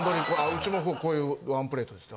うちもこういうワンプレートです。